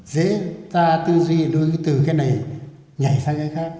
dễ ta tư duy đối với từ cái này nhảy sang cái khác